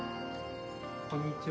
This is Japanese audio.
こんにちは。